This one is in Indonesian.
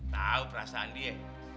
tau perasaan dia